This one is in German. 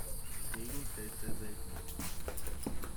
Regen fällt sehr selten.